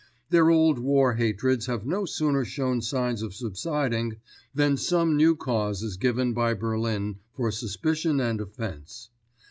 Their old war hatreds have no sooner shown signs of subsiding than some new cause is given by Berlin for suspicion and offence.